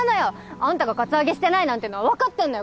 アンタがカツアゲしてないなんてのはわかってんのよ